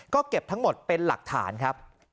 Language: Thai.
ก็เก็บทั้งหมดเป็นหลักฐานครับ